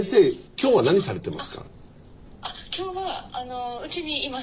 今日はうちにいます。